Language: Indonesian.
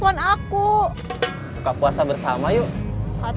jadi mau buka puasa di rumah